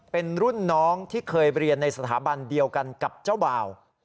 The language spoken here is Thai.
เป็นรุ่นน้องที่เคยเรียนในสถาบันเดียวกันกับเจ้าบ่าว